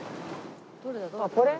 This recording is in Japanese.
あっこれ？